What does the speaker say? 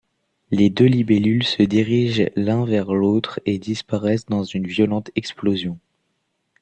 Les deux Libellule se dirigent l'un vers l'autre et disparaissent dans une violente explosion.